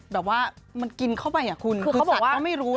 แบบว่ามันกินเข้าไปอ่ะคุณคือสัตว์ก็ไม่รู้เนอะ